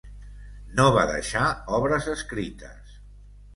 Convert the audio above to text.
No va deixar obres escrites.